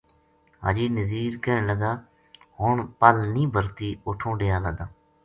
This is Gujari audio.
حاجی نزیر کہن لگا ہن پَل نیہہ برہتی اُٹھوں ڈیرا لداں